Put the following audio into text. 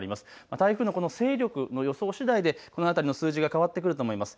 台風のこの勢力の予想しだいでこの辺りの数字が変わってくると思います。